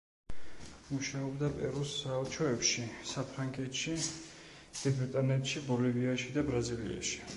მუშაობდა პერუს საელჩოებში: საფრანგეთში, დიდ ბრიტანეთში, ბოლივიაში და ბრაზილიაში.